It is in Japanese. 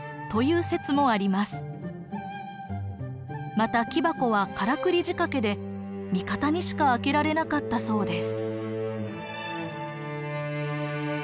また木箱はからくり仕掛けで味方にしか開けられなかったそうです。